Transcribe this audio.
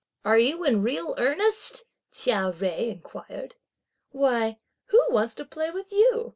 "Are you in real earnest?" Chia Jui inquired. "Why, who wants to play with you?"